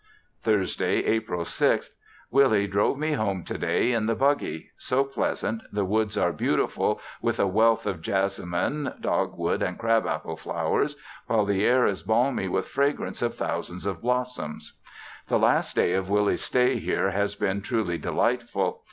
Thursday, April 6. Willie drove me home to day in the buggy, so pleasant, the woods are beautiful with a wealth of jessamine, dog wood and crab apple flowers, while the air is balmy with fragrance of thousands of blossoms. The last day of Willie's stay here has been truly delightful.